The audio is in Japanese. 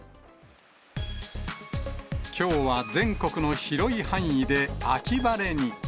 きょうは全国の広い範囲で秋晴れに。